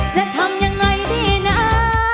จะทำยังไงดีนะ